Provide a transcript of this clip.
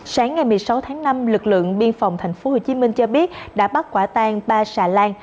sáng ngày một mươi sáu tháng năm lực lượng biên phòng tp hcm cho biết đã bắt quả tan ba xà lan